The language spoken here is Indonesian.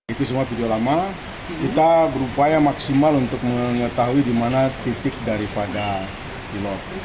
itu semua video lama kita berupaya maksimal untuk mengetahui di mana titik daripada pilot